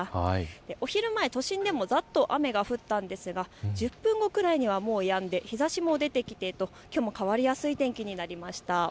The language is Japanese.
お昼前、都心でもざっと雨が降ったんですが１０分後くらいには、もうやんで、日ざしも出てきてきょうも変わりやすい天気になりました。